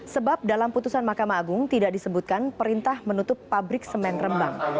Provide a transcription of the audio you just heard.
sebab dalam putusan mahkamah agung tidak disebutkan perintah menutup pabrik semen rembang